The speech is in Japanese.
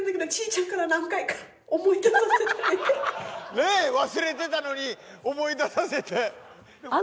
ねえ忘れてたのに思い出させて。